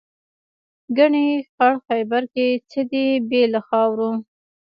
ګنې خړ خیبر کې څه دي بې له خاورو.